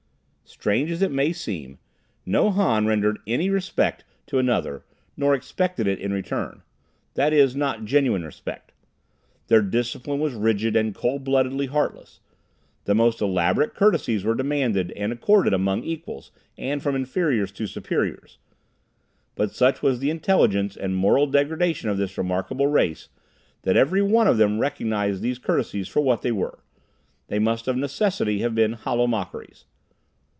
Strange as it may seem, no Han rendered any respect to another, nor expected it in return; that is, not genuine respect. Their discipline was rigid and cold bloodedly heartless. The most elaborate courtesies were demanded and accorded among equals and from inferiors to superiors, but such was the intelligence and moral degradation of this remarkable race, that every one of them recognized these courtesies for what they were; they must of necessity have been hollow mockeries.